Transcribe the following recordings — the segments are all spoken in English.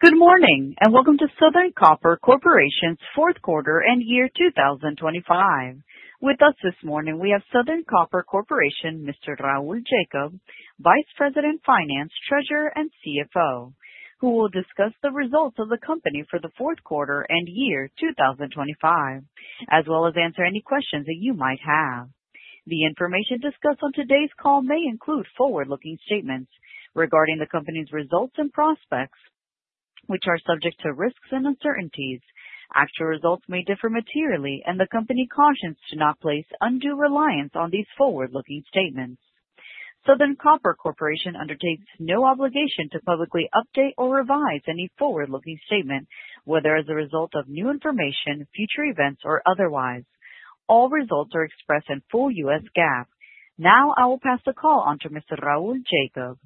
Good morning, and welcome to Southern Copper Corporation's fourth quarter and year 2025. With us this morning, we have Southern Copper Corporation, Mr. Raul Jacob, Vice President, Finance, Treasurer, and CFO, who will discuss the results of the company for the fourth quarter and year 2025, as well as answer any questions that you might have. The information discussed on today's call may include forward-looking statements regarding the company's results and prospects, which are subject to risks and uncertainties. Actual results may differ materially, and the company cautions to not place undue reliance on these forward-looking statements. Southern Copper Corporation undertakes no obligation to publicly update or revise any forward-looking statement, whether as a result of new information, future events, or otherwise. All results are expressed in full U.S. GAAP. Now, I will pass the call on to Mr. Raul Jacob.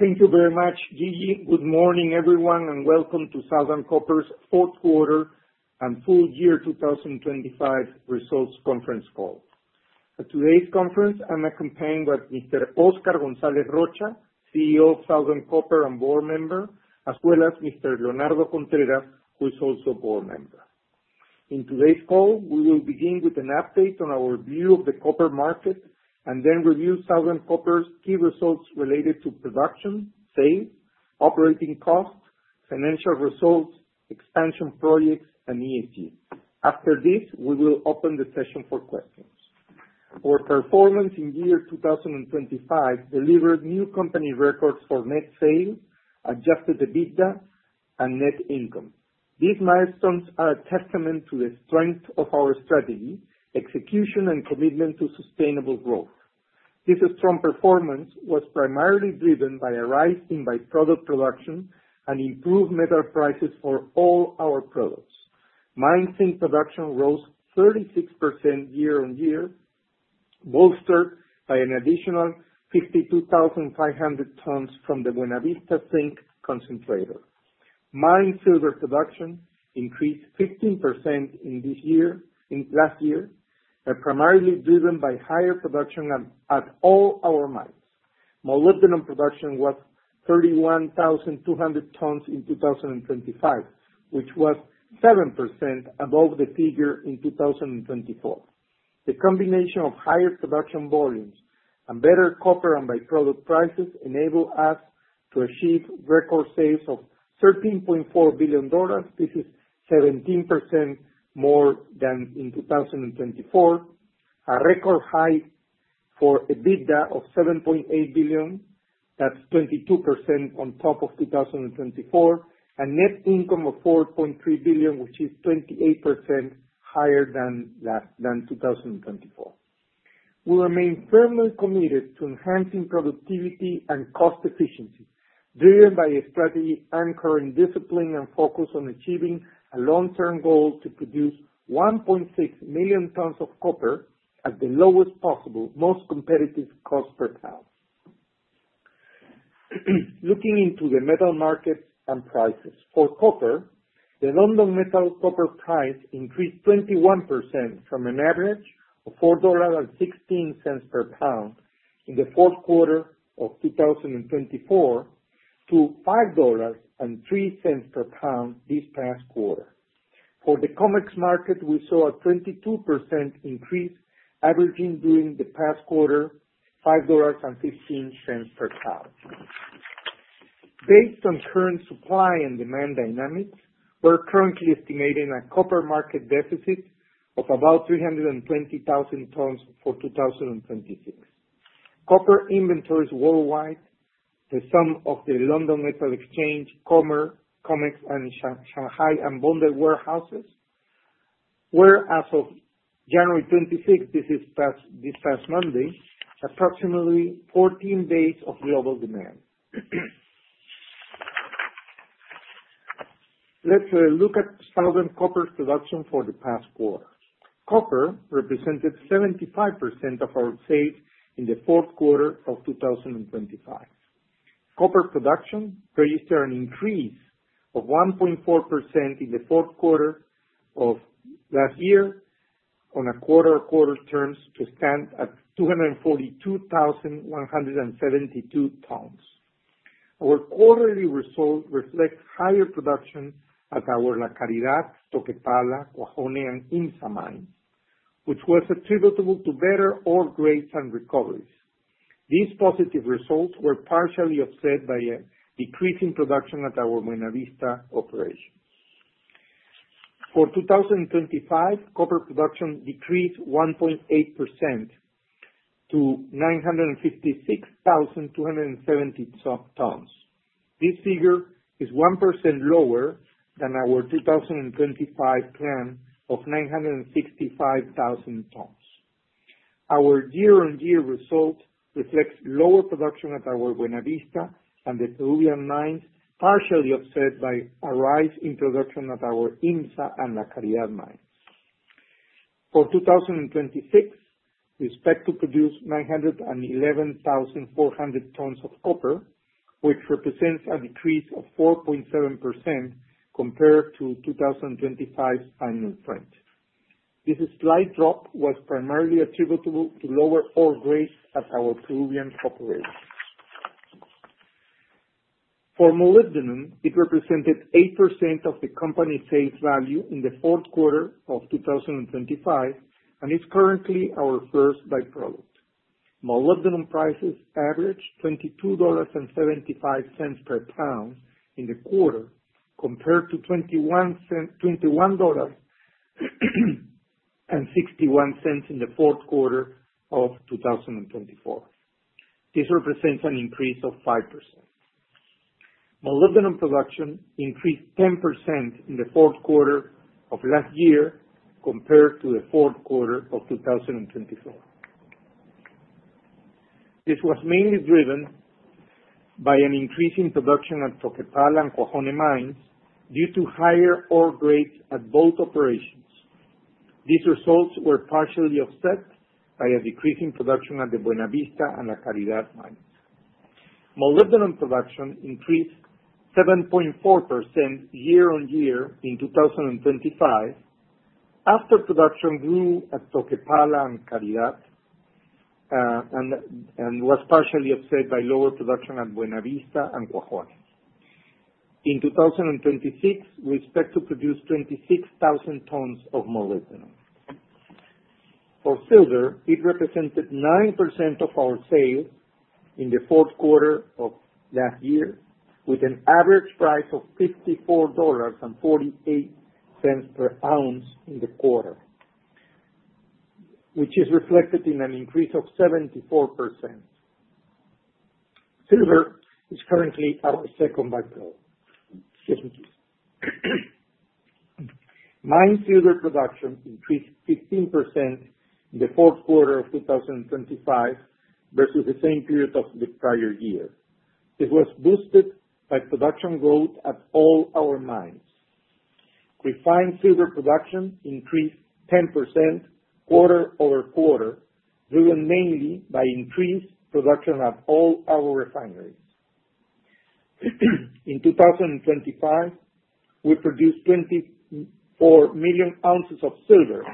Thank you very much, Gigi. Good morning, everyone, and welcome to Southern Copper's fourth quarter and full year 2025 results conference call. At today's conference, I'm accompanied by Mr. Oscar Gonzalez Rocha, CEO of Southern Copper and board member, as well as Mr. Leonardo Contreras, who is also a board member. In today's call, we will begin with an update on our view of the copper market and then review Southern Copper's key results related to production, sales, operating costs, financial results, expansion projects, and ESG. After this, we will open the session for questions. Our performance in year 2025 delivered new company records for net sales, Adjusted EBITDA, and net income. These milestones are a testament to the strength of our strategy, execution, and commitment to sustainable growth. This strong performance was primarily driven by a rise in by-product production and improved metal prices for all our products. Mine zinc production rose 36% year-on-year, bolstered by an additional 52,500 tons from the Buenavista zinc concentrator. Mine silver production increased 15% in this year, in last year, primarily driven by higher production at all our mines. Molybdenum production was 31,200 tons in 2025, which was 7% above the figure in 2024. The combination of higher production volumes and better copper and by-product prices enabled us to achieve record sales of $13.4 billion. This is 17% more than in 2024. A record high for EBITDA of $7.8 billion, that's 22% on top of 2024, and net income of $4.3 billion, which is 28% higher than 2024. We remain firmly committed to enhancing productivity and cost efficiency, driven by a strategy anchoring discipline and focus on achieving a long-term goal to produce 1.6 million tons of copper at the lowest possible, most competitive cost per ton. Looking into the metal markets and prices. For copper, the London Metal Exchange copper price increased 21% from an average of $4.16 per pound in the fourth quarter of 2024 to $5.03 per pound this past quarter. For the COMEX market, we saw a 22% increase, averaging during the past quarter $5.15 per pound. Based on current supply and demand dynamics, we're currently estimating a copper market deficit of about 320,000 tons for 2026. Copper inventories worldwide, the sum of the London Metal ,Exchange, COMEX, and Shanghai and bonded warehouses, were, as of January 26th, this is past, this past Monday, approximately 14 days of global demand. Let's look at Southern Copper's production for the past quarter. Copper represented 75% of our sales in the fourth quarter of 2025. Copper production registered an increase of 1.4% in the fourth quarter of last year on a quarter-over-quarter terms to stand at 242,172 tons. Our quarterly result reflects higher production at our La Caridad, Toquepala, Cuajone, and IMMSA mine, which was attributable to better ore grades and recoveries. These positive results were partially offset by a decrease in production at our Buenavista operation. For 2025, copper production decreased 1.8% to 956,270 tons. This figure is 1% lower than our 2025 plan of 965,000 tons. Our year-on-year result reflects lower production at our Buenavista and the Peruvian mines, partially offset by a rise in production at our IMMSA and La Caridad mines. For 2026, we expect to produce 911,400 tons of copper, which represents a decrease of 4.7% compared to 2025's final front.... This slight drop was primarily attributable to lower ore grades at our Peruvian operations. For molybdenum, it represented 8% of the company's sales value in the fourth quarter of 2025, and it's currently our first by-product. Molybdenum prices averaged $22.75 per pound in the quarter, compared to $21.61 in the fourth quarter of 2024. This represents an increase of 5%. Molybdenum production increased 10% in the fourth quarter of last year compared to the fourth quarter of 2024. This was mainly driven by an increase in production at Toquepala and Cuajone mines due to higher ore grades at both operations. These results were partially offset by a decrease in production at the Buenavista and the La Caridad mines. Molybdenum production increased 7.4% year-over-year in 2025, after production grew at Toquepala and Caridad, and was partially offset by lower production at Buenavista and Cuajone. In 2026, we expect to produce 26,000 tons of molybdenum. For silver, it represented 9% of our sales in the fourth quarter of last year, with an average price of $54.48 per ounce in the quarter, which is reflected in an increase of 74%. Silver is currently our second by-product. Mine silver production increased 15% in the fourth quarter of 2025 versus the same period of the prior year. It was boosted by production growth at all our mines. Refined silver production increased 10% quarter-over-quarter, driven mainly by increased production at all our refineries. In 2025, we produced 24 million ounces of silver,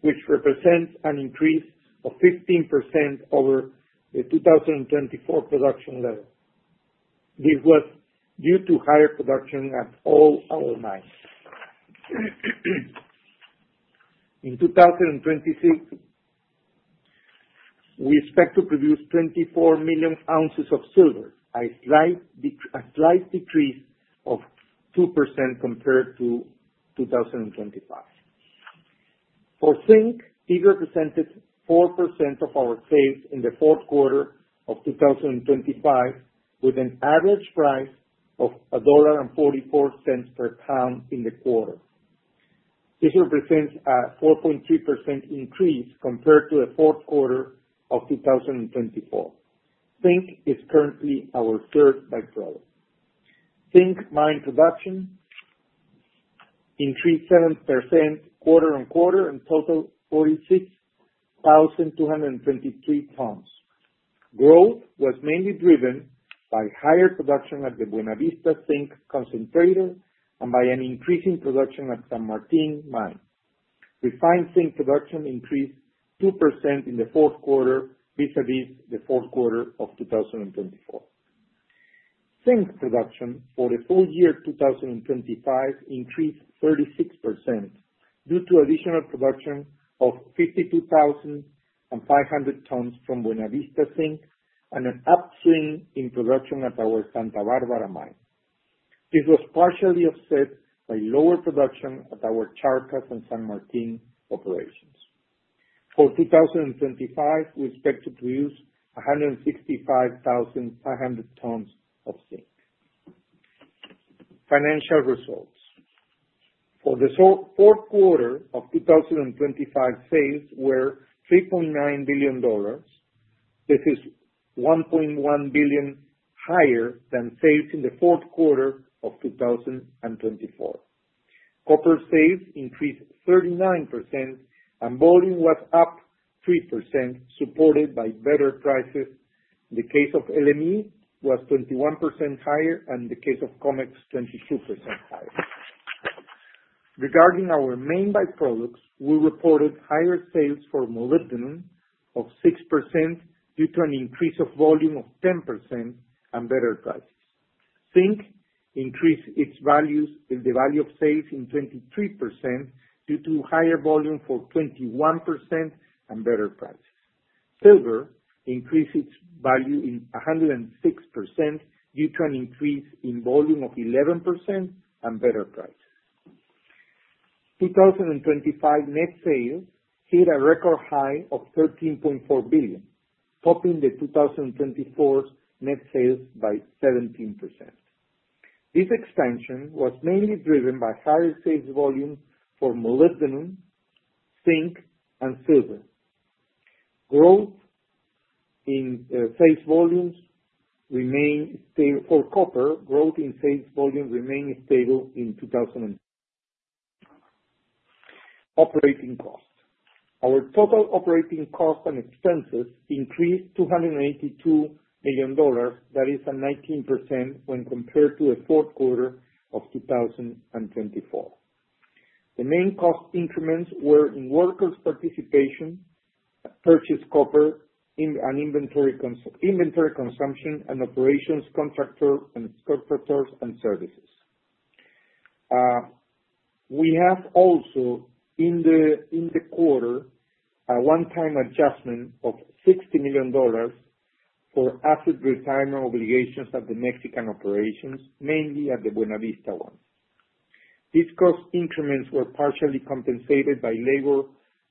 which represents an increase of 15% over the 2024 production level. This was due to higher production at all our mines. In 2026, we expect to produce 24 million ounces of silver, a slight decrease of 2% compared to 2025. For zinc, it represented 4% of our sales in the fourth quarter of 2025, with an average price of $1.44 per pound in the quarter. This represents a 4.3% increase compared to the fourth quarter of 2024. Zinc is currently our third by-product. Zinc mine production increased 7% quarter-on-quarter and totaled 46,223 tons. Growth was mainly driven by higher production at the Buenavista Zinc Concentrator and by an increase in production at San Martin mine. Refined zinc production increased 2% in the fourth quarter vis-a-vis the fourth quarter of 2024. Zinc production for the full year 2025 increased 36% due to additional production of 52,500 tons from Buenavista Zinc and an upswing in production at our Santa Barbara mine. This was partially offset by lower production at our Charcas and San Martin operations. For 2025, we expect to produce 165,500 tons of zinc. Financial results. For the fourth quarter of 2025, sales were $3.9 billion. This is $1.1 billion higher than sales in the fourth quarter of 2024. Copper sales increased 39%, and volume was up 3%, supported by better prices. The cash of LME was 21% higher, and the cash of COMEX, 22% higher. Regarding our main by-products, we reported higher sales for molybdenum of 6% due to an increase of volume of 10% and better prices. Zinc increased its values—the value of sales in 23% due to higher volume for 21% and better prices. Silver increased its value in 106% due to an increase in volume of 11% and better prices. 2025 net sales hit a record high of $13.4 billion, topping the 2024 net sales by 17%. This expansion was mainly driven by higher sales volumes for molybdenum, zinc, and silver. For copper, growth in sales volume remained stable. Operating costs. Our total operating costs and expenses increased $282 million. That is a 19% when compared to the fourth quarter of 2024. The main cost increments were in workers' participation, purchased copper, inventory consumption, and operations, contractors, and services. We have also, in the quarter, a one-time adjustment of $60 million for asset retirement obligations at the Mexican operations, mainly at the Buenavista one. These cost increments were partially compensated by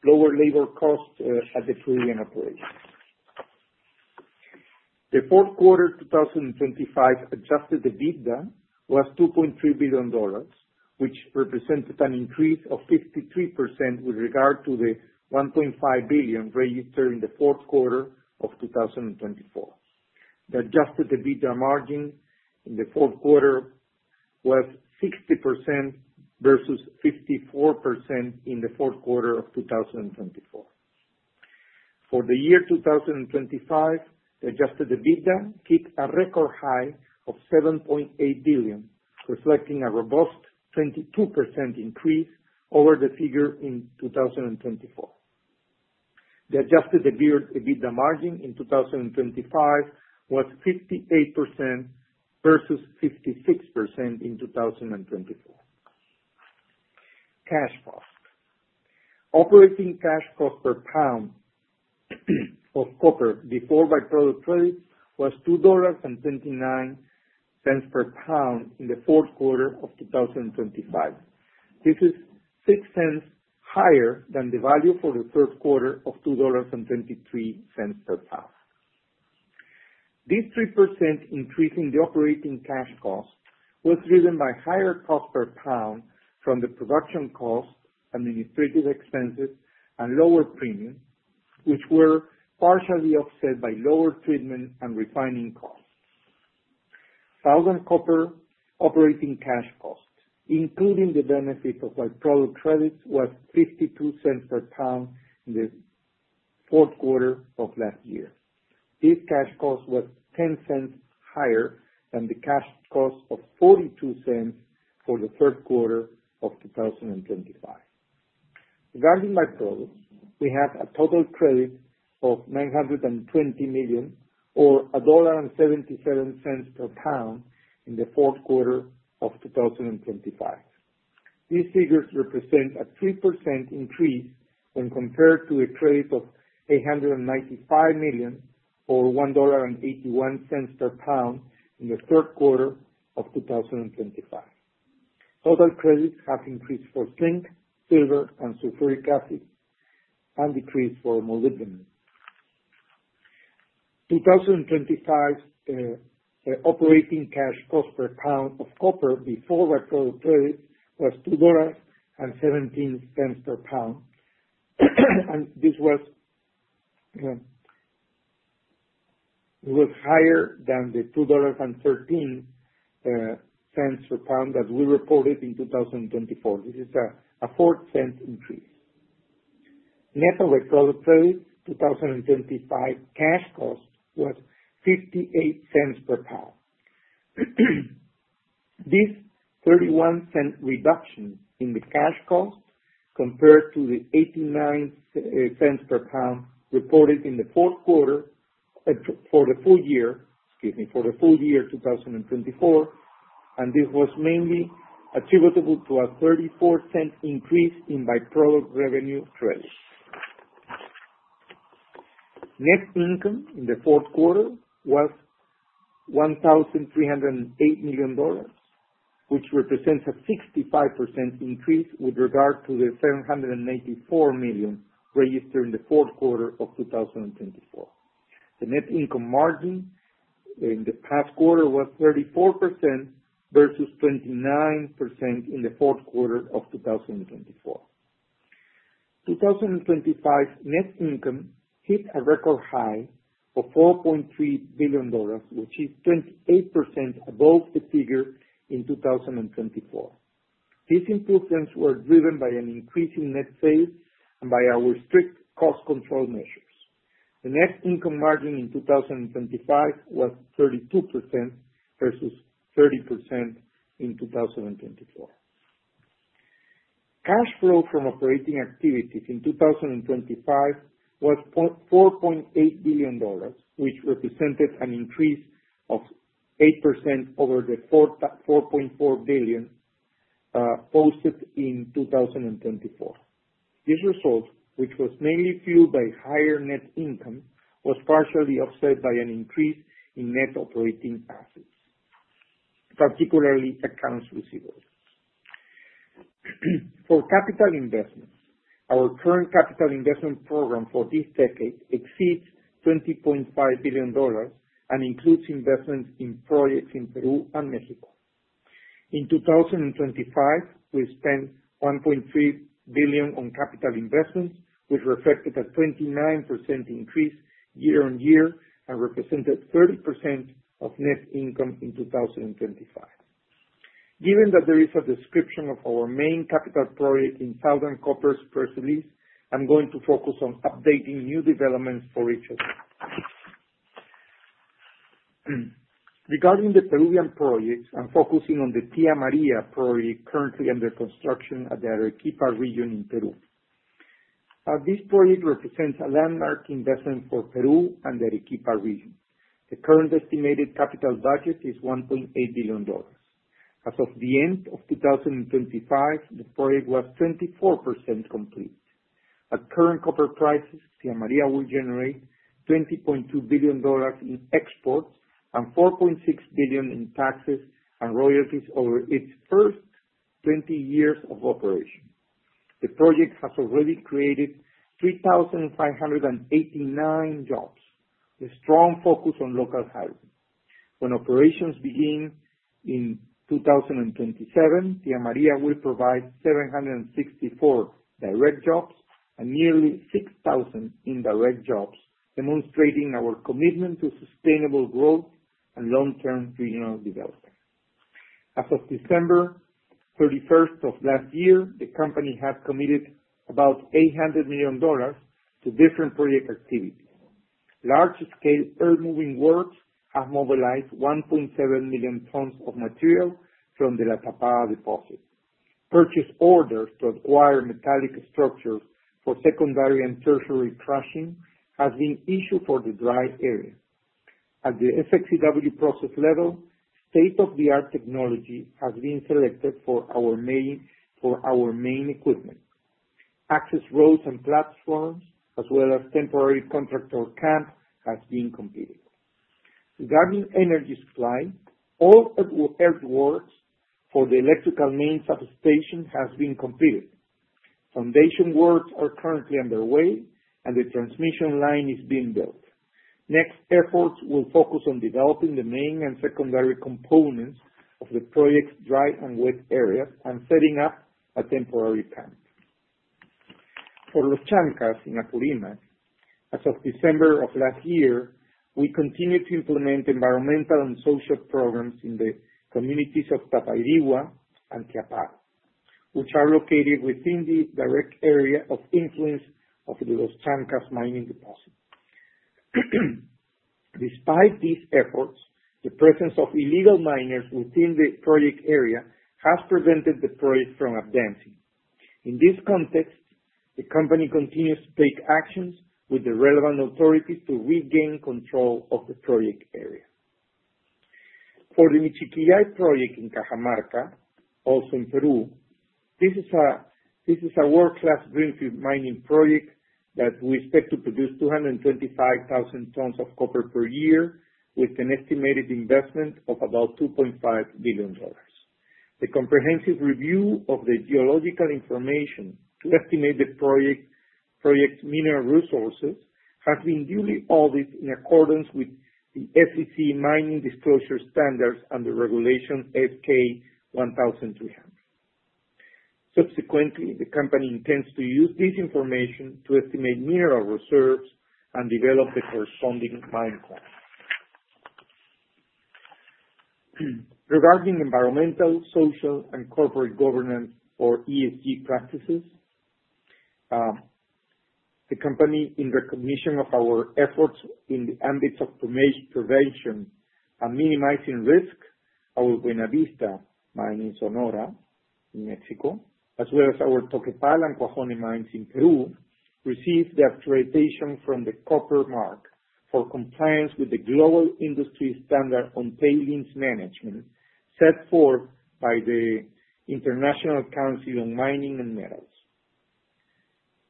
lower labor costs at the Peruvian operation. The fourth quarter 2025 adjusted EBITDA was $2.3 billion, which represented an increase of 53% with regard to the $1.5 billion registered in the fourth quarter of 2024. The adjusted EBITDA margin in the fourth quarter was 60% versus 54% in the fourth quarter of 2024. For the year 2025, adjusted EBITDA hit a record high of $7.8 billion, reflecting a robust 22% increase over the figure in 2024. The adjusted EBITDA, EBITDA margin in 2025 was 58% versus 56% in 2024. Cash cost. Operating cash cost per pound of copper before by-product credit was $2.29 per pound in the fourth quarter of 2025. This is $0.06 higher than the value for the third quarter of $2.23 per pound. This 3% increase in the operating cash cost was driven by higher cost per pound from the production costs, administrative expenses, and lower premiums, which were partially offset by lower treatment and refining costs. The copper operating cash costs, including the benefit of by-product credits, was $0.52 per pound in the fourth quarter of last year. This cash cost was $0.10 higher than the cash cost of $0.42 for the third quarter of 2025. Regarding by-product, we have a total credit of $920 million, or $1.77 per pound, in the fourth quarter of 2025. These figures represent a 3% increase when compared to a credit of $895 million, or $1.81 per pound, in the third quarter of 2025. Total credits have increased for zinc, silver, and sulfuric acid, and decreased for molybdenum. 2025 operating cash cost per pound of copper before by-product credit was $2.17 per pound. And this was higher than the $2.13 per pound that we reported in 2024. This is a 4-cent increase. Net by-product credit, 2025 cash cost was $0.58 per pound. This $0.31 reduction in the cash cost compared to the $0.89 per pound reported in the fourth quarter for the full year, excuse me, for the full year 2024, and this was mainly attributable to a $0.34 increase in by-product revenue credits. Net income in the fourth quarter was $1,308 million, which represents a 65% increase with regard to the $794 million registered in the fourth quarter of 2024. The net income margin in the past quarter was 34% versus 29% in the fourth quarter of 2024. 2025 net income hit a record high of $4.3 billion, which is 28% above the figure in 2024. These improvements were driven by an increase in net sales and by our strict cost control measures. The net income margin in 2025 was 32% versus 30% in 2024. Cash flow from operating activities in 2025 was $4.48 billion, which represented an increase of 8% over the $4.44 billion posted in 2024. This result, which was mainly fueled by higher net income, was partially offset by an increase in net operating assets, particularly accounts receivables. For capital investments, our current capital investment program for this decade exceeds $20.5 billion and includes investments in projects in Peru and Mexico. In 2025, we spent $1.3 billion on capital investments, which reflected a 29% increase year-on-year and represented 30% of net income in 2025. Given that there is a description of our main capital project in Southern Copper's press release, I'm going to focus on updating new developments for each of them. Regarding the Peruvian projects, I'm focusing on the Tia Maria project currently under construction at the Arequipa region in Peru. This project represents a landmark investment for Peru and the Arequipa region. The current estimated capital budget is $1.8 billion. As of the end of 2025, the project was 24% complete. At current copper prices, Tia Maria will generate $20.2 billion in exports and $4.6 billion in taxes and royalties over its first 20 years of operation. The project has already created 3,589 jobs, with strong focus on local hiring. When operations begin in 2027, Tia Maria will provide 764 direct jobs and nearly 6,000 indirect jobs, demonstrating our commitment to sustainable growth and long-term regional development. As of December 31 of last year, the company had committed about $800 million to different project activities. Large-scale earthmoving works have mobilized 1.7 million tons of material from the La Tapada deposit. Purchase orders to acquire metallic structures for secondary and tertiary crushing has been issued for the dry area. At the SX-EW process level, state-of-the-art technology has been selected for our main, for our main equipment. Access roads and platforms, as well as temporary contractor camp, has been completed. Regarding energy supply, all earthworks for the electrical main substation has been completed. Foundation works are currently underway, and the transmission line is being built. Next, efforts will focus on developing the main and secondary components of the project's dry and wet areas and setting up a temporary camp. For Los Chancas in Apurímac, as of December of last year, we continued to implement environmental and social programs in the communities of Tapairihua and Tiaparo, which are located within the direct area of influence of the Los Chancas mining deposit. Despite these efforts, the presence of illegal miners within the project area has prevented the project from advancing. In this context, the company continues to take actions with the relevant authorities to regain control of the project area. For the Michiquillay project in Cajamarca, also in Peru, this is a world-class greenfield mining project that we expect to produce 225,000 tons of copper per year, with an estimated investment of about $2.5 billion. The comprehensive review of the geological information to estimate the project mineral resources has been duly audited in accordance with the SEC Mining Disclosure Standards and the Regulation S-K 1300. Subsequently, the company intends to use this information to estimate mineral reserves and develop the corresponding mine plans. Regarding environmental, social, and corporate governance, or ESG practices, the company, in recognition of our efforts in the ambit of prevention and minimizing risk, our Buenavista mine in Sonora, in Mexico, as well as our Toquepala and Cuajone mines in Peru, received the accreditation from the Copper Mark for compliance with the global industry standard on tailings management set forth by the International Council on Mining and Metals.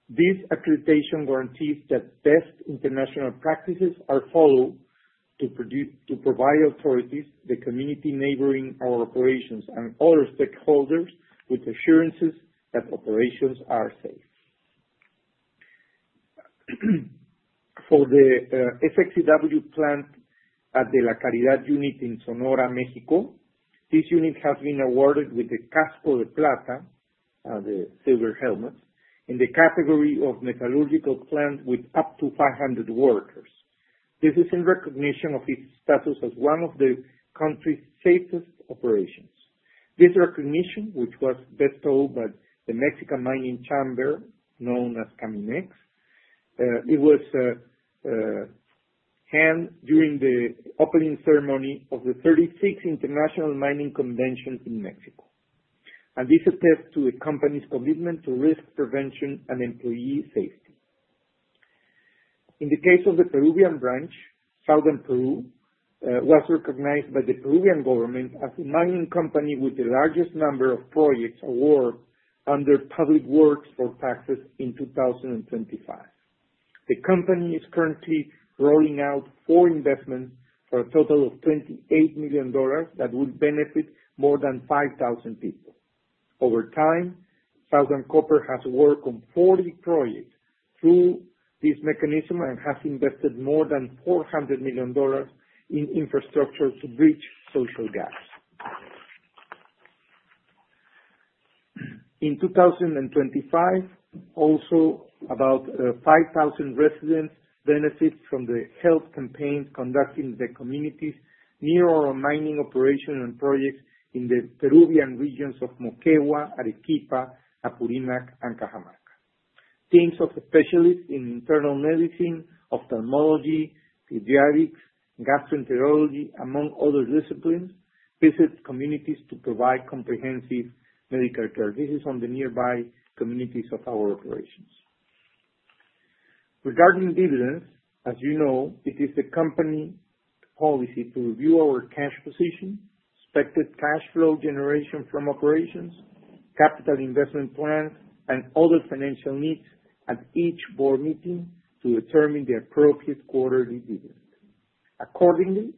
This accreditation guarantees that best international practices are followed to provide authorities, the community neighboring our operations, and other stakeholders with assurances that operations are safe. For the SX-EW plant at the La Caridad unit in Sonora, Mexico, this unit has been awarded with the Casco de Plata, the Silver Helmet, in the category of metallurgical plant with up to 500 workers. This is in recognition of its status as one of the country's safest operations. This recognition, which was bestowed by the Mexican Mining Chamber, known as CAMIMEX, handed during the opening ceremony of the 36th International Mining Convention in Mexico, and this attests to the company's commitment to risk prevention and employee safety. In the case of the Peruvian branch, Southern Peru, was recognized by the Peruvian government as the mining company with the largest number of projects awarded under Public Works for Taxes in 2025. The company is currently rolling out four investments for a total of $28 million that will benefit more than 5,000 people. Over time, Southern Copper has worked on 40 projects through this mechanism and has invested more than $400 million in infrastructure to bridge social gaps.... In 2025, also about 5,000 residents benefit from the health campaigns conducted in the communities near our mining operation and projects in the Peruvian regions of Moquegua, Arequipa, Apurímac, and Cajamarca. Teams of specialists in internal medicine, ophthalmology, pediatrics, gastroenterology, among other disciplines, visit communities to provide comprehensive medical care. This is on the nearby communities of our operations. Regarding dividends, as you know, it is the company policy to review our cash position, expected cash flow generation from operations, capital investment plans, and other financial needs at each board meeting to determine the appropriate quarterly dividend. Accordingly,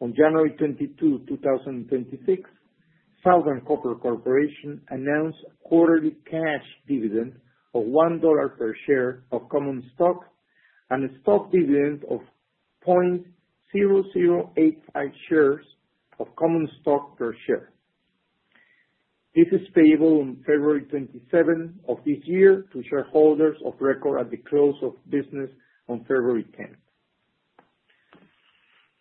on January 22, 2026, Southern Copper Corporation announced a quarterly cash dividend of $1 per share of common stock and a stock dividend of 0.0085 shares of common stock per share. This is payable on February 27 of this year to shareholders of record at the close of business on February 10.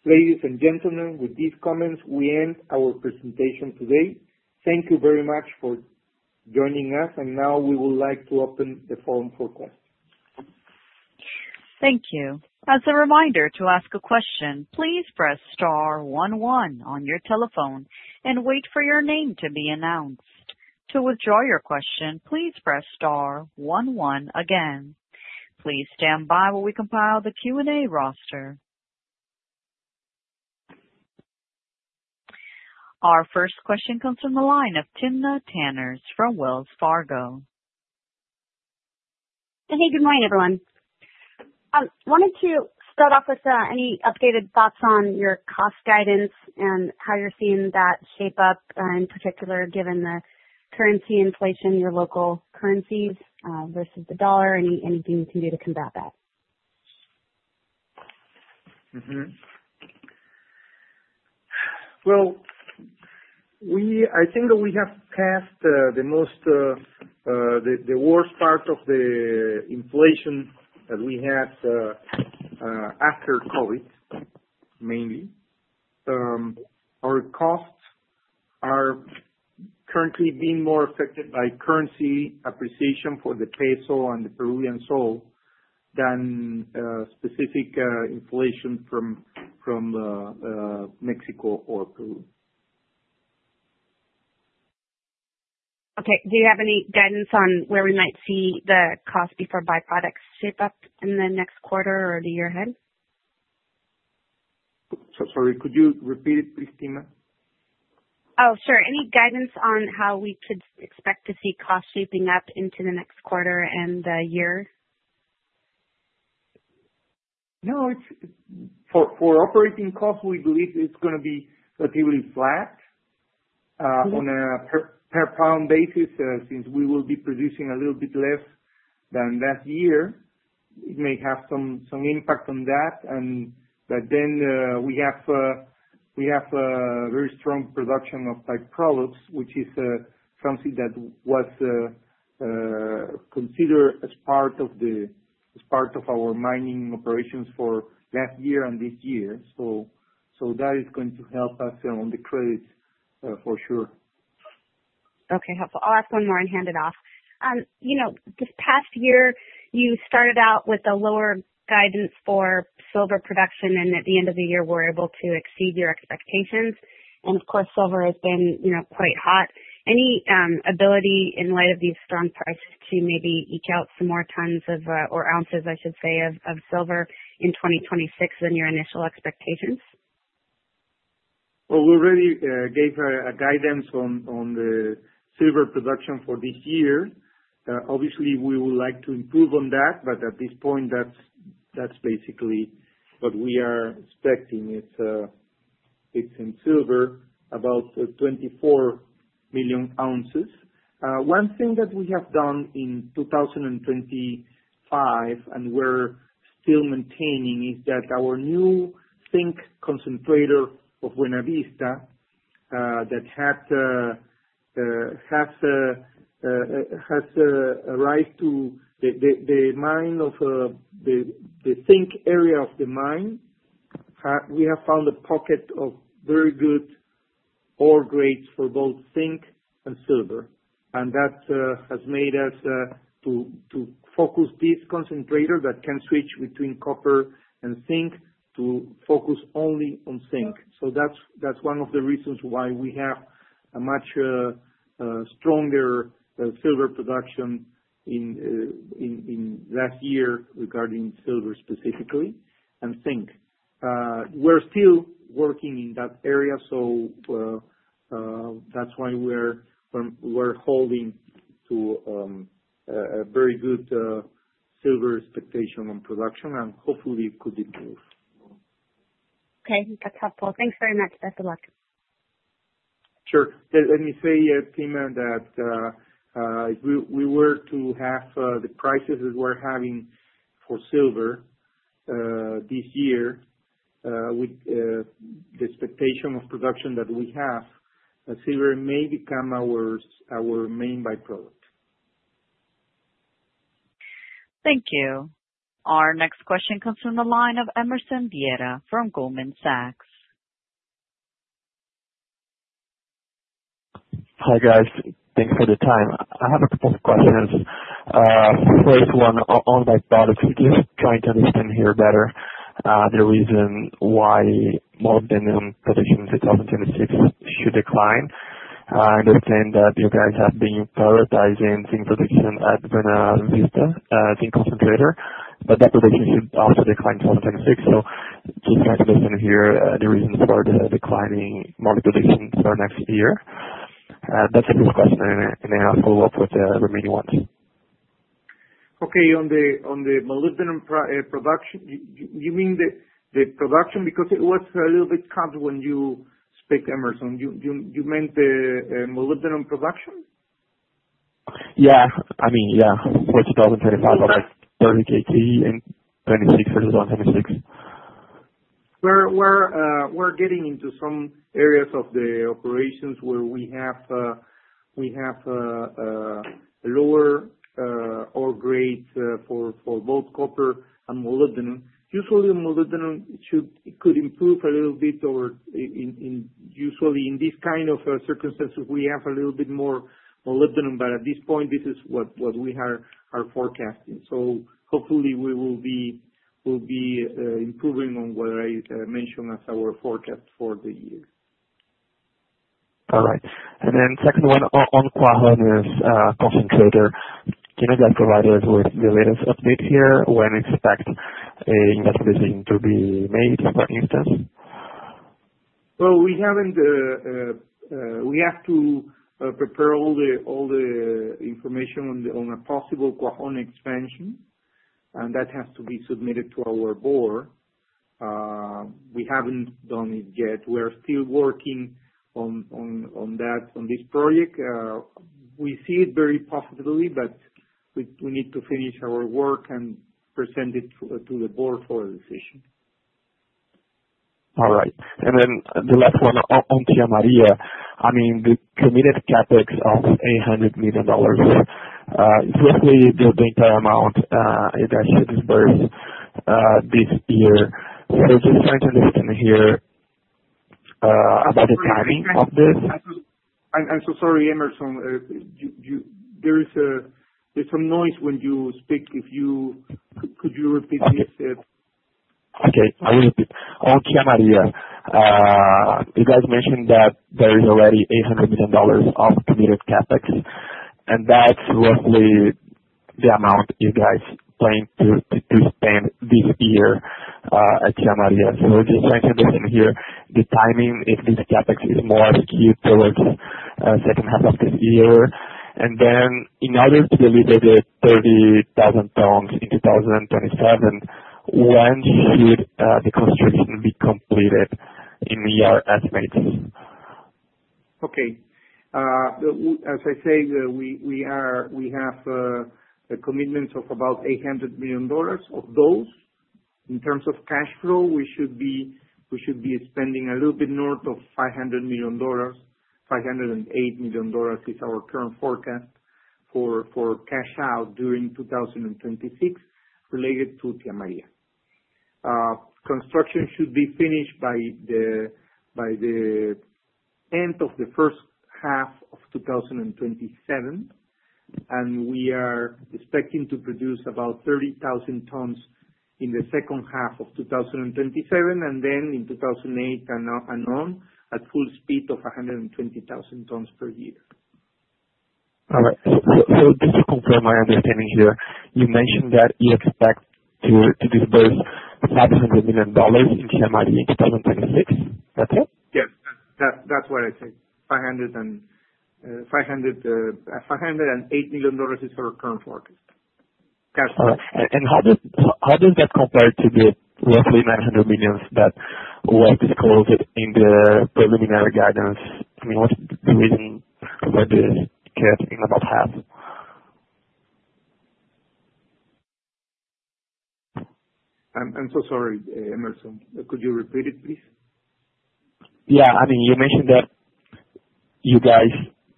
Ladies and gentlemen, with these comments, we end our presentation today. Thank you very much for joining us, and now we would like to open the phone for questions. Thank you. As a reminder, to ask a question, please press star one one on your telephone and wait for your name to be announced. To withdraw your question, please press star one one again. Please stand by while we compile the Q&A roster. Our first question comes from the line of Timna Tanners from Wells Fargo. Hey, good morning, everyone. Wanted to start off with any updated thoughts on your cost guidance and how you're seeing that shape up, in particular, given the currency inflation, your local currencies, versus the US dollar. Anything you can do to combat that? Mm-hmm. Well, we—I think that we have passed the worst part of the inflation that we had after COVID, mainly. Our costs are currently being more affected by currency appreciation for the peso and the Peruvian sol than specific inflation from Mexico or Peru. Okay. Do you have any guidance on where we might see the cost before byproducts shape up in the next quarter or the year ahead? Sorry, could you repeat it, please, Timna? Oh, sure. Any guidance on how we could expect to see costs shaping up into the next quarter and the year? No, it's for operating costs, we believe it's gonna be relatively flat on a per pound basis, since we will be producing a little bit less than last year, it may have some impact on that. But then, we have a very strong production of by-products, which is something that was considered as part of our mining operations for last year and this year. So that is going to help us on the credits, for sure. Okay, helpful. I'll ask one more and hand it off. You know, this past year, you started out with a lower guidance for silver production, and at the end of the year, were able to exceed your expectations. And of course, silver has been, you know, quite hot. Any ability in light of these strong prices to maybe eke out some more tons of, or ounces, I should say, of silver in 2026 than your initial expectations? Well, we already gave a guidance on the silver production for this year. Obviously, we would like to improve on that, but at this point, that's basically what we are expecting. It's in silver, about 24 million ounces. One thing that we have done in 2025, and we're still maintaining, is that our new zinc concentrator of Buenavista that has arrived to the mine of the zinc area of the mine. We have found a pocket of very good ore grades for both zinc and silver, and that has made us to focus this concentrator that can switch between copper and zinc, to focus only on zinc. So that's one of the reasons why we have a much stronger silver production in last year regarding silver specifically and zinc. We're still working in that area, so that's why we're holding to a very good silver expectation on production, and hopefully it could improve. Okay, that's helpful. Thanks very much, and good luck. Sure. Let me say, Tina, that if we were to have the prices that we're having for silver this year, with the expectation of production that we have, the silver may become our main by-product. Thank you. Our next question comes from the line of Emerson Vieira from Goldman Sachs. Hi, guys. Thanks for the time. I have a couple of questions. First one, on that part, just trying to understand here better, the reason why molybdenum production in 2026 should decline. I understand that you guys have been prioritizing zinc production at Buenavista, zinc concentrator, but that production should also decline in 2026. So just trying to listen here, the reasons for the declining mine production for next year. That's the first question, and then I'll follow up with the remaining ones. Okay, on the molybdenum production, you mean the production? Because it was a little bit cut when you speak, Emerson. You meant the molybdenum production? Yeah. I mean, yeah, for 2025, like 30 KT, and 2026 for the 176. We're getting into some areas of the operations where we have lower ore grades for both copper and molybdenum. Usually, molybdenum could improve a little bit or in these kind of circumstances, we have a little bit more molybdenum, but at this point, this is what we are forecasting. So hopefully we will be improving on what I mentioned as our forecast for the year. All right. Then second one, on concentrator. Can you guys provide us with the latest update here, when expect a investment to be made, for instance? Well, we haven't. We have to prepare all the information on a possible expansion, and that has to be submitted to our board. We haven't done it yet. We are still working on that, on this project. We see it very positively, but we need to finish our work and present it to the board for a decision. All right. And then the last one on Tia Maria. I mean, the committed CapEx of $800 million, roughly the entire amount, you guys should disperse this year. So just trying to understand here, about the timing of this. I'm so sorry, Emerson. You... There's some noise when you speak. If you could repeat it? Okay. I'll repeat. On Tia Maria, you guys mentioned that there is already $800 million of committed CapEx, and that's roughly the amount you guys plan to spend this year at Tia Maria. So just trying to understand here, the timing, if this CapEx is more skewed towards second half of this year, and then in order to deliver the 30,000 tons in 2027, when should the construction be completed in your estimates? Okay. As I say, we, we are, we have, a commitment of about $800 million. Of those, in terms of cash flow, we should be, we should be spending a little bit north of $500 million. $508 million is our current forecast for, for cash out during 2026 related to Tia Maria. Construction should be finished by the, by the end of the first half of 2027, and we are expecting to produce about 30,000 tons in the second half of 2027, and then in 2028 and, and on, at full speed of 120,000 tons per year. All right. So just to confirm my understanding here, you mentioned that you expect to disburse $500 million in Tia Maria in 2026. That's it? Yes. That, that's what I said. $508 million is our current forecast. Cash. All right. And how does, how does that compare to the roughly $900 million that were disclosed in the preliminary guidance? I mean, what's the reason why the in about half? I'm so sorry, Emerson. Could you repeat it, please? Yeah. I mean, you mentioned that you guys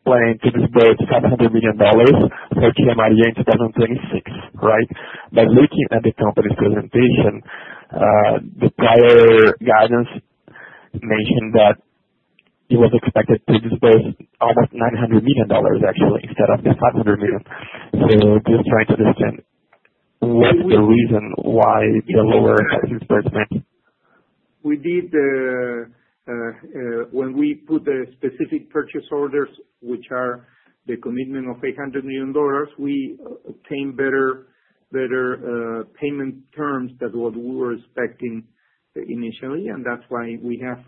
plan to disburse $500 million for Tia Maria in 2026, right? By looking at the company's presentation, the prior guidance mentioned that it was expected to disburse almost $900 million actually, instead of the $500 million. So just trying to understand what's the reason why the lower disbursement? We did, when we put the specific purchase orders, which are the commitment of $800 million, we obtained better, better payment terms than what we were expecting initially, and that's why we have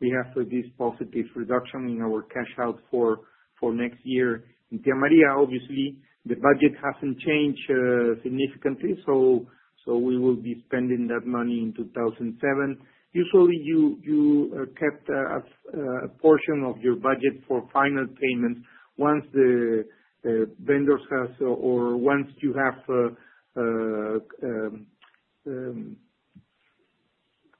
we have this positive reduction in our cash out for next year. In Tia Maria, obviously, the budget hasn't changed significantly, so, so we will be spending that money in 2007. Usually, you kept a portion of your budget for final payment once the vendors has or once you have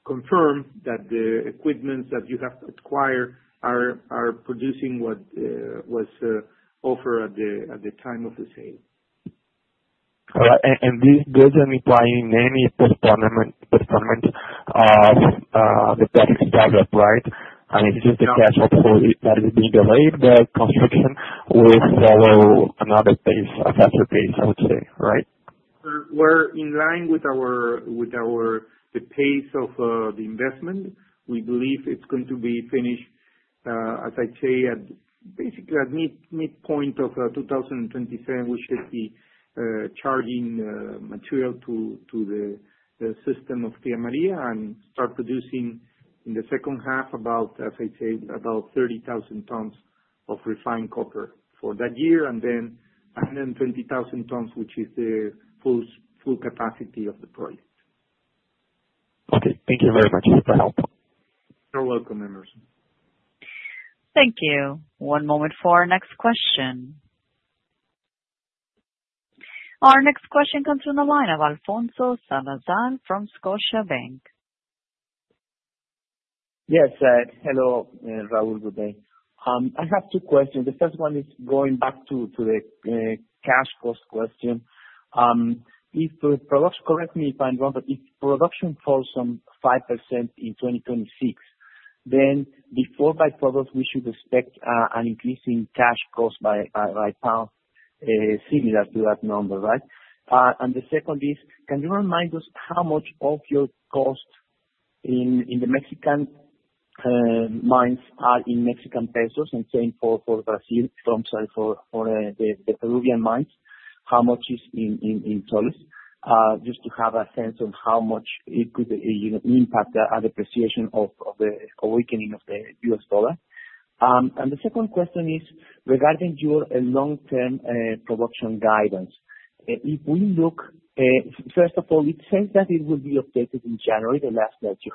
confirm that the equipment that you have acquired are producing what was offered at the time of the sale. This doesn't imply any postponement of, right? I mean, it's just the cash flow that is being delayed, the construction will follow another pace, a faster pace, I would say, right? We're in line with the pace of the investment. We believe it's going to be finished, as I say, at basically the midpoint of 2027, we should be charging material to the system of Tia Maria and start producing in the second half, about 30,000 tons of refined copper for that year, and then 120,000 tons, which is the full capacity of the project. Okay. Thank you very much for the help. You're welcome, Emerson. Thank you. One moment for our next question. Our next question comes from the line of Alfonso Salazar from Scotiabank. Yes, hello, Raúl. Good day. I have two questions. The first one is going back to the cash cost question. If production—correct me if I'm wrong, but if production falls some 5% in 2026, then for by-product, we should expect an increase in cash cost per pound, similar to that number, right? And the second is, can you remind us how much of your cost in the Mexican mines are in Mexican pesos, and same for Brazil—I'm sorry, for the Peruvian mines, how much is in soles? Just to have a sense of how much it could, you know, impact the further appreciation or the weakening of the US dollar. And the second question is regarding your long-term production guidance. If we look, first of all, it says that it will be updated in January, the last that you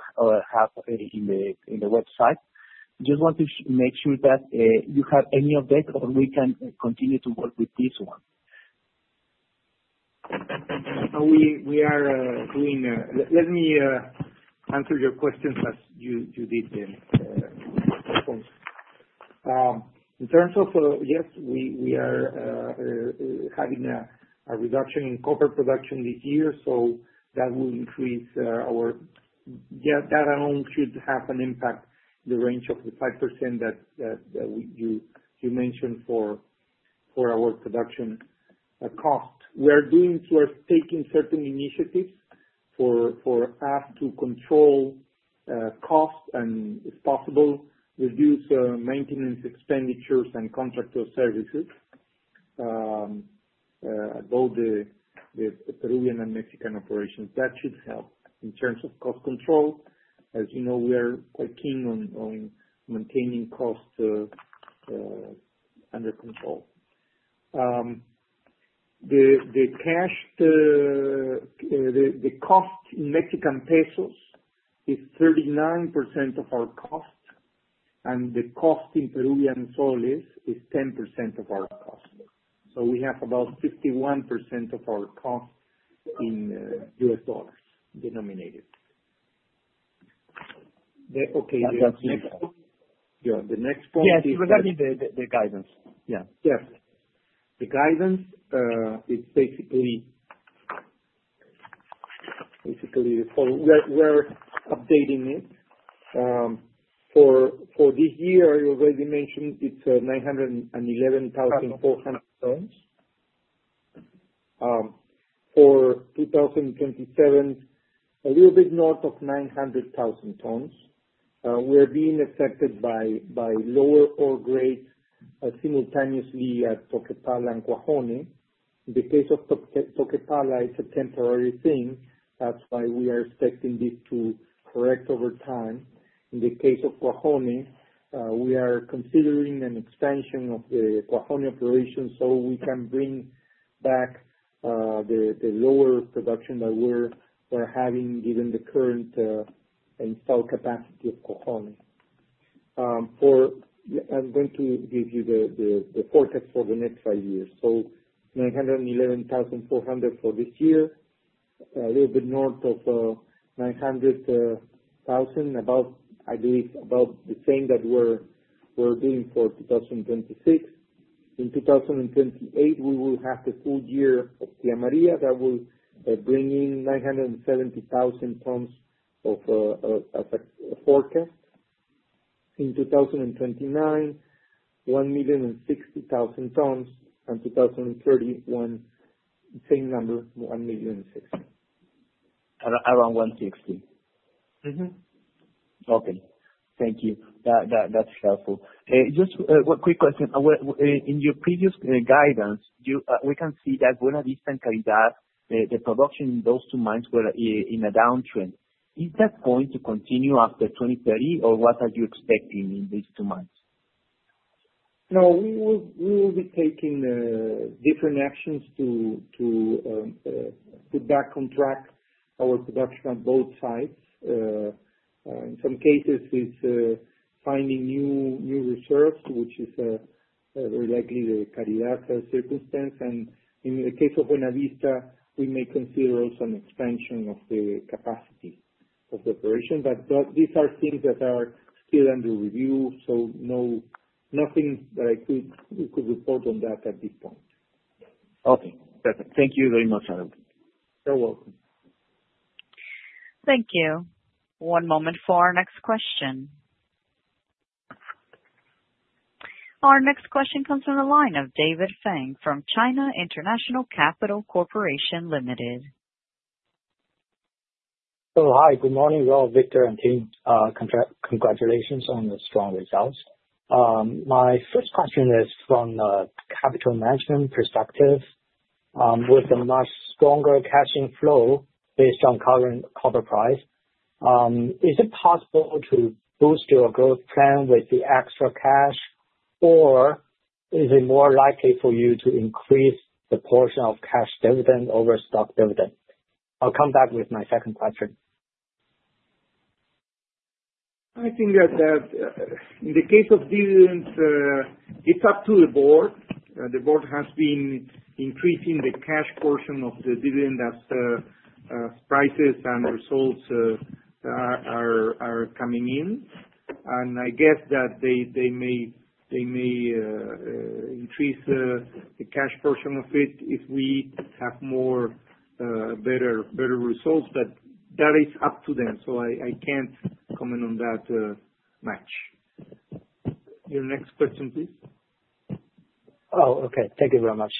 have in the website. Just want to make sure that you have any update, or we can continue to work with this one? Let me answer your questions as you did them, Alfonso. In terms of, yes, we are having a reduction in copper production this year, so that will increase our-- Yeah, that alone should have an impact, the range of the 5% that you mentioned for our production cost. We are doing towards taking certain initiatives for us to control cost and, if possible, reduce maintenance expenditures and contractor services, both the Peruvian and Mexican operations. That should help. In terms of cost control, as you know, we are quite keen on maintaining costs under control. The cash cost in Mexican pesos is 39% of our cost, and the cost in Peruvian soles is 10% of our cost. So we have about 51% of our cost in US dollars denominated. Okay, the next- That's clear. Yeah, the next point is- Yes, regarding the guidance. Yeah. Yes. The guidance is basically, so we're updating it. For this year, you already mentioned it's 911,400 tons. For 2027, a little bit north of 900,000 tons. We're being affected by lower ore grades simultaneously at Toquepala and Cuajone. In the case of Toquepala, it's a temporary thing, that's why we are expecting this to correct over time. In the case of Cuajone, we are considering an expansion of the Cuajone operations so we can bring back the lower production that we're having, given the current installed capacity of Cuajone. I'm going to give you the forecast for the next five years. So 911,400 for this year. A little bit north of 900,000, above, I believe, about the same that we're doing for 2026. In 2028, we will have the full year of Tia Maria, that will bring in 970,000 tons of a forecast. In 2029, 1,060,000 tons, and 2030, one-- same number, 1,060,000. Around 160? Mm-hmm. Okay. Thank you. That's helpful. Just one quick question, in your previous guidance, we can see that Buenavista and La Caridad, the production in those two mines were in a downtrend. Is that going to continue after 2030, or what are you expecting in these two mines? No, we will be taking different actions to put back on track our production on both sides. In some cases with finding new reserves, which is very likely the La Caridad circumstance, and in the case of Toquepala, we may consider also an expansion of the capacity of the operation. But these are things that are still under review, so nothing that we could report on that at this point. Okay, perfect. Thank you very much, Alberto. You're welcome. Thank you. One moment for our next question. Our next question comes from the line of David Feng from China International Capital Corporation Limited. Oh, hi, good morning, well, Victor and team, congratulations on the strong results. My first question is from a capital management perspective, with a much stronger cash flow based on current copper price, is it possible to boost your growth plan with the extra cash, or is it more likely for you to increase the portion of cash dividend over stock dividend? I'll come back with my second question. I think that in the case of dividends, it's up to the board. The board has been increasing the cash portion of the dividend as prices and results are coming in. I guess that they may increase the cash portion of it if we have more better results, but that is up to them, so I can't comment on that much. Your next question, please. Oh, okay. Thank you very much.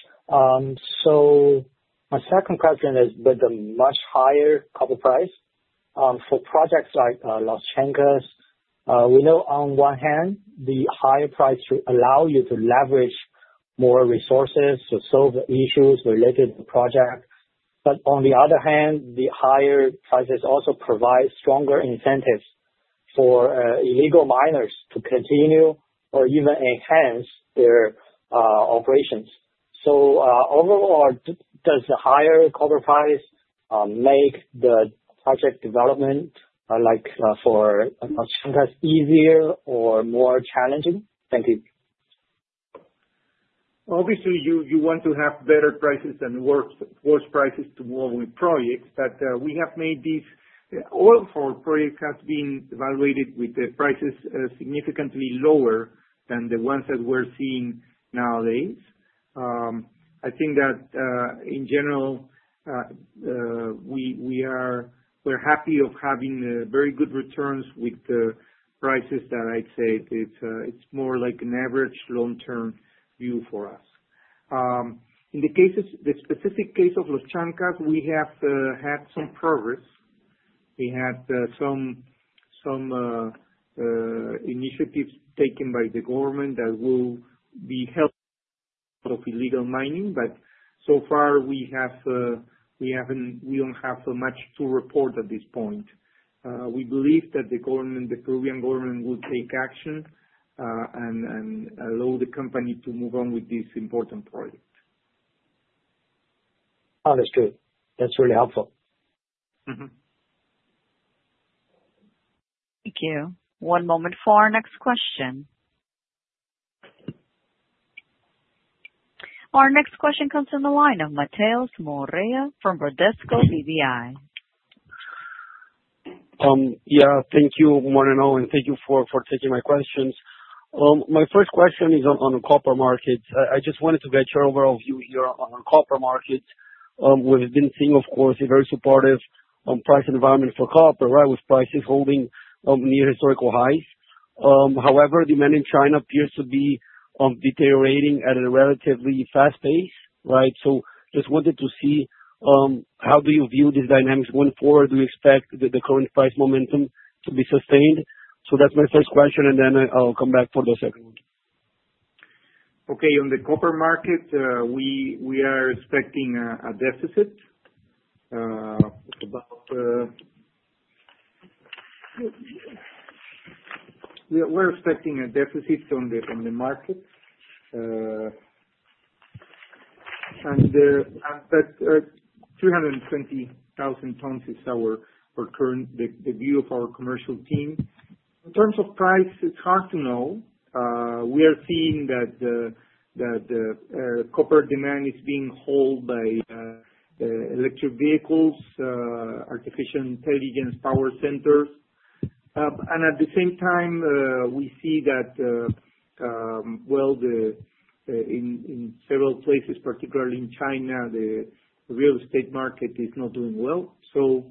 So my second question is, with the much higher copper price, for projects like Los Chancas, we know on one hand, the higher price should allow you to leverage more resources to solve the issues related to project. But on the other hand, the higher prices also provide stronger incentives for illegal miners to continue or even enhance their operations. So overall, does the higher copper price make the project development, like, for sometimes easier or more challenging? Thank you. Obviously, you want to have better prices than worse prices to move with projects, but we have made these—all of our projects have been evaluated with the prices significantly lower than the ones that we're seeing nowadays. I think that in general we are happy of having very good returns with the prices that I'd say it's more like an average long-term view for us. In the cases—the specific case of Los Chancas, we have had some progress. We had some initiatives taken by the government that will be helping of illegal mining, but so far we haven't—we don't have so much to report at this point. We believe that the government, the Peruvian government, will take action, and allow the company to move on with this important project. Understood. That's really helpful. Mm-hmm. Thank you. One moment for our next question. Our next question comes from the line of Mateus Moreira from Bradesco BBI. Yeah, thank you, good morning all, and thank you for taking my questions. My first question is on the copper markets. I just wanted to get your overview here on the copper markets. We've been seeing, of course, a very supportive price environment for copper, right? With prices holding near historical highs. However, demand in China appears to be deteriorating at a relatively fast pace, right? So just wanted to see how do you view these dynamics going forward? Do you expect the current price momentum to be sustained? So that's my first question, and then I'll come back for the second one. Okay. On the copper market, we are expecting a deficit about... We're expecting a deficit on the market, and that 320,000 tons is our current view of our commercial team. In terms of price, it's hard to know. We are seeing that copper demand is being held by electric vehicles, artificial intelligence power centers. And at the same time, we see that, well, in several places, particularly in China, the real estate market is not doing well. So,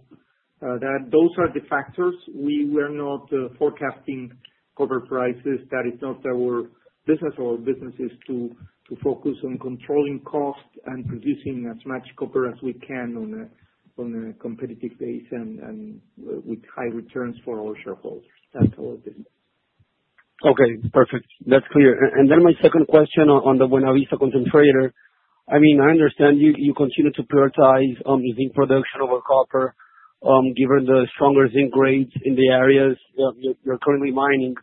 those are the factors. We were not forecasting copper prices. That is not our business. Our business is to focus on controlling costs and producing as much copper as we can on a competitive base, and with high returns for our shareholders. That's our business. Okay, perfect. That's clear. And then my second question on the Buenavista concentrator. I mean, I understand you continue to prioritize the zinc production over copper, given the stronger zinc grades in the areas that you're currently mining.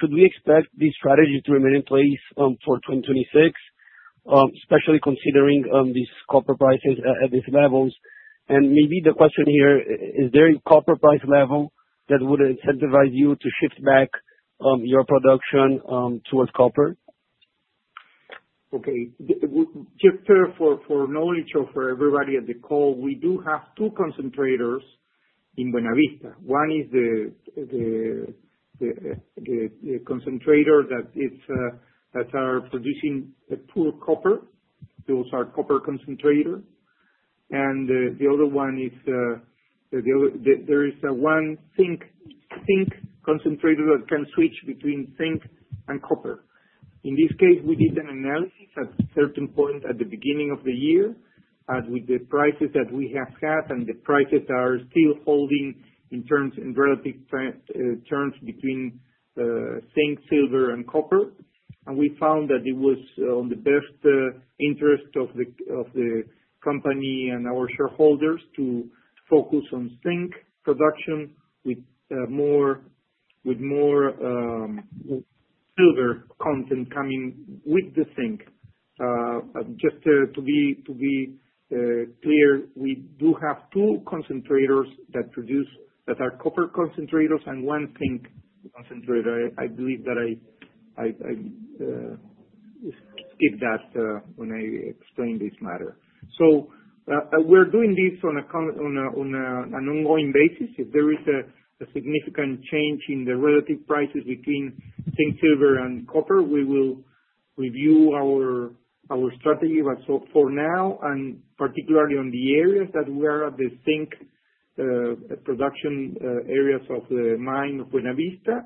Should we expect this strategy to remain in place for 2026? Especially considering these copper prices at these levels. And maybe the question here is there a copper price level that would incentivize you to shift back your production towards copper? Okay. Just for knowledge, or for everybody on the call, we do have two concentrators in Buenavista. One is the concentrator that is producing the poor copper. Those are copper concentrator. And the other one is the other, there is one zinc concentrator that can switch between zinc and copper. In this case, we did an analysis at certain point at the beginning of the year, and with the prices that we have had, and the prices are still holding in terms, in relative terms between zinc, silver, and copper, and we found that it was in the best interest of the company and our shareholders to focus on zinc production with more silver content coming with the zinc. Just to be clear, we do have two concentrators that produce... that are copper concentrators, and one zinc concentrator. I believe that I skipped that when I explained this matter. So, we're doing this on a con- on a, on a, an ongoing basis. If there is a significant change in the relative prices between zinc, silver, and copper, we will review our strategy. But so for now, and particularly on the areas that we are at the zinc production areas of the mine of Buenavista,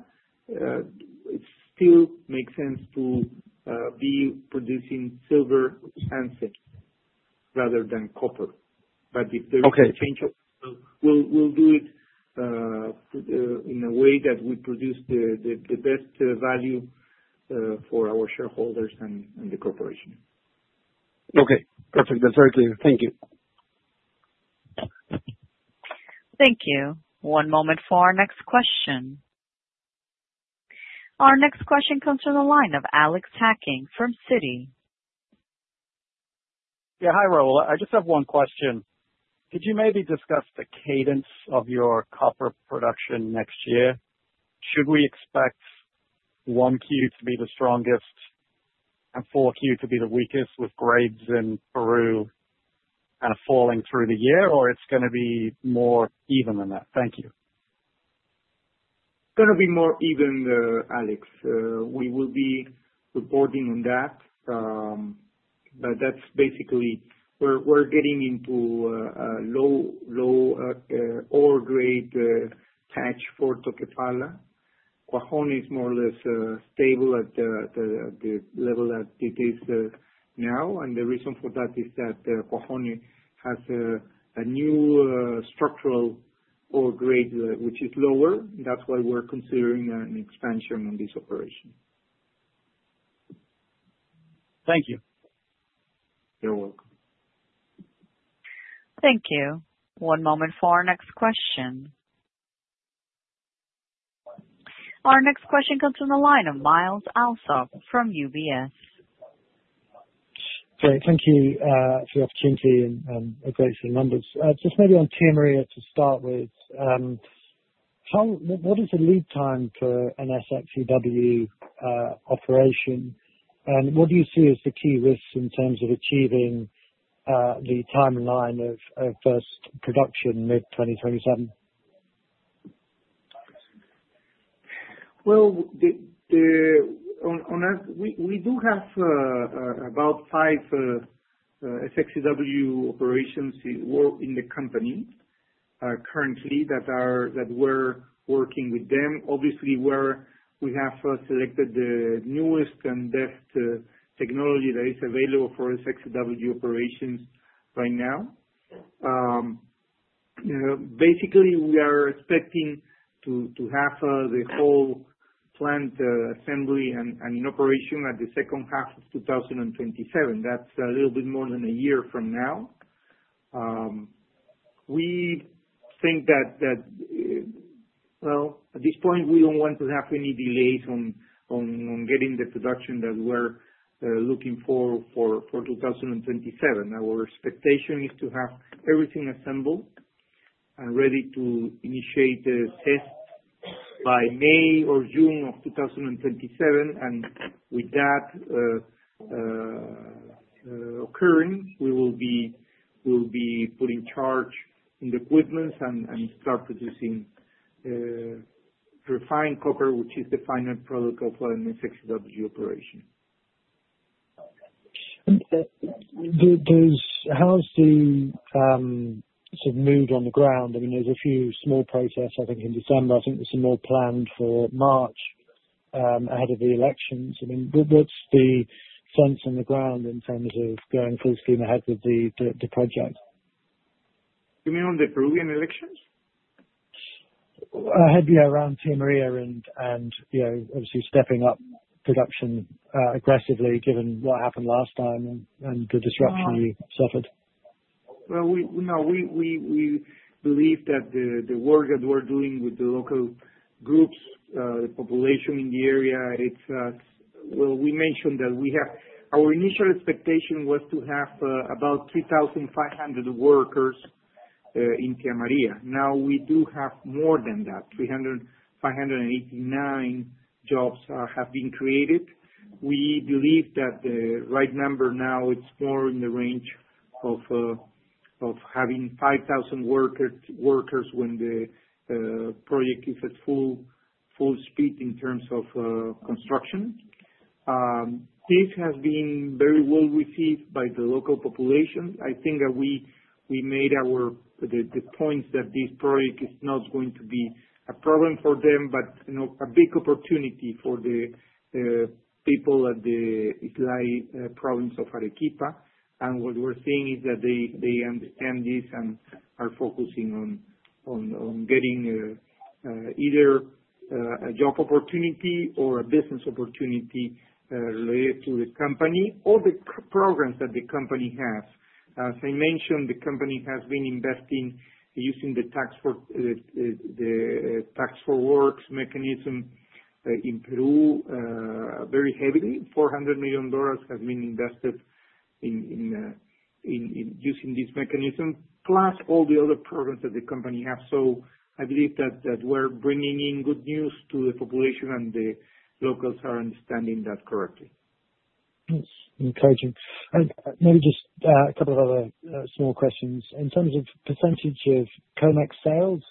it still makes sense to be producing silver and zinc, rather than copper. But if there is- Okay. a change, we'll do it in a way that we produce the best value for our shareholders and the corporation. Okay, perfect. That's very clear. Thank you. Thank you. One moment for our next question. Our next question comes from the line of Alex Hacking from Citi. Yeah. Hi, Raul. I just have one question: Could you maybe discuss the cadence of your copper production next year? Should we expect one Q to be the strongest and four Q to be the weakest, with grades in Peru kind of falling through the year, or it's gonna be more even than that? Thank you. It's gonna be more even, Alex. We will be reporting on that. But that's basically... We're getting into a low ore grade patch for Toquepala. Cuajone is more or less stable at the level that it is now, and the reason for that is that Cuajone has a new structural ore grade, which is lower. That's why we're considering an expansion on this operation. Thank you. You're welcome. Thank you. One moment for our next question. Our next question comes from the line of Myles Allsop from UBS. Great. Thank you for the opportunity and a great set of numbers. Just maybe on Tia Maria to start with, how, what is the lead time for an SX-EW operation, and what do you see as the key risks in terms of achieving the timeline of first production mid-2027? Well, on that, we do have about five SX-EW operations, well, in the company currently that are that we're working with them. Obviously, we have selected the newest and best technology that is available for SX-EW operations right now. Basically, we are expecting to have the whole plant assembly and in operation in the second half of 2027. That's a little bit more than a year from now. We think that. Well, at this point, we don't want to have any delays on getting the production that we're looking for for 2027. Our expectation is to have everything assembled and ready to initiate the test by May or June of 2027, and with that occurring, we'll be putting charge in the equipment and start producing refined copper, which is the final product of an SX-EW operation. How's the sort of mood on the ground? I mean, there's a few small protests, I think in December. I think there's some more planned for March, ahead of the elections. I mean, what's the sense on the ground in terms of going smoothly ahead with the project? You mean on the Peruvian elections? Ahead, yeah, around Tia Maria and, you know, obviously stepping up production aggressively, given what happened last time and the disruption you suffered. Well, we believe that the work that we're doing with the local groups, the population in the area, it's well, we mentioned that we have. Our initial expectation was to have about 3,500 workers in Tia Maria. Now, we do have more than that. 3,589 jobs have been created. We believe that the right number now it's more in the range of having 5,000 workers when the project is at full speed in terms of construction. This has been very well received by the local population. I think that we made our points that this project is not going to be a problem for them, but, you know, a big opportunity for the people at the Islay province of Arequipa. And what we're seeing is that they understand this and are focusing on getting either a job opportunity or a business opportunity related to the company or the programs that the company has. As I mentioned, the company has been investing using the Works for Taxes mechanism in Peru very heavily. $400 million have been invested in using this mechanism, plus all the other programs that the company have. So I believe that we're bringing in good news to the population, and the locals are understanding that correctly. That's encouraging. Maybe just a couple of other small questions. In terms of percentage of COMEX sales,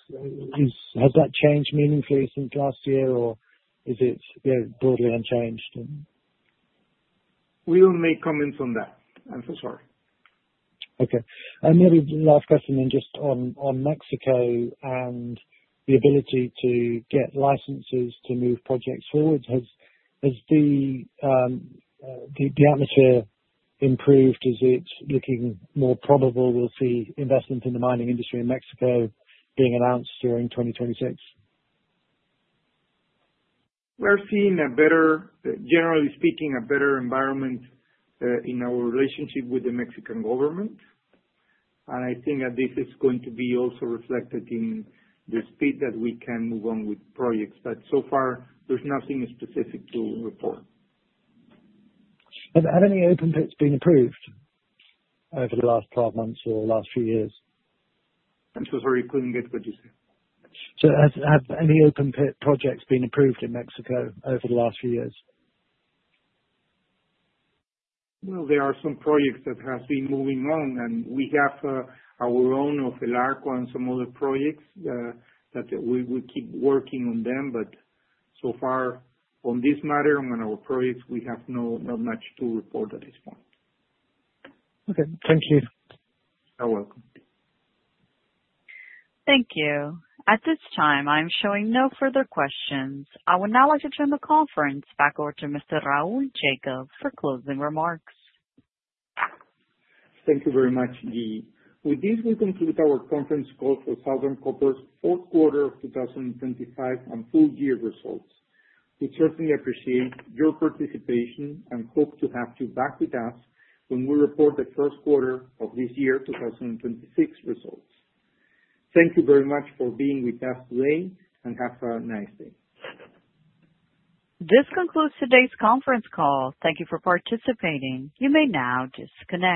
has that changed meaningfully since last year, or is it, you know, broadly unchanged? We won't make comments on that. I'm so sorry. Okay. And maybe last question then, just on Mexico and the ability to get licenses to move projects forward. Has the atmosphere improved? Is it looking more probable we'll see investment in the mining industry in Mexico being announced during 2026? We're seeing a better, generally speaking, a better environment in our relationship with the Mexican government, and I think that this is going to be also reflected in the speed that we can move on with projects. But so far, there's nothing specific to report. Have any open pits been approved over the last 12 months or the last few years? I'm so sorry. Couldn't get what you said. Have any open-pit projects been approved in Mexico over the last few years? Well, there are some projects that have been moving on, and we have our own and some other projects that we keep working on them. But so far, on this matter, on our projects, we have not much to report at this point. Okay. Thank you. You're welcome. Thank you. At this time, I'm showing no further questions. I would now like to turn the conference back over to Mr. Raul Jacob for closing remarks. Thank you very much, Lee. With this, we conclude our conference call for Southern Copper's fourth quarter of 2025 and full year results. We certainly appreciate your participation and hope to have you back with us when we report the first quarter of this year, 2026 results. Thank you very much for being with us today, and have a nice day. This concludes today's conference call. Thank you for participating. You may now disconnect.